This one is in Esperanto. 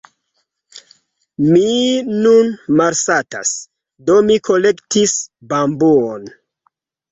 Mi nun malsatas, do mi kolektis bambuon.